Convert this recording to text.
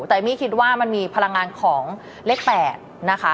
แต่เอมมี่คิดว่ามันมีพลังงานของเลข๘นะคะ